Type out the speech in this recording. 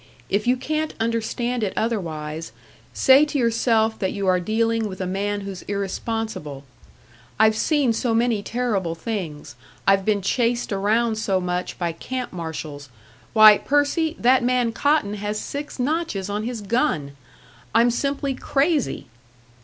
If you can't understand it otherwise, say to yourself that you are dealing with a man who's irresponsible. I've seen so many terrible things I've been chased around so much by camp marshals why, Percy, that man Cotton has six notches on his gun! I'm simply crazy!"